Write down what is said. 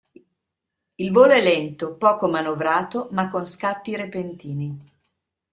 Il volo è lento, poco manovrato ma con scatti repentini.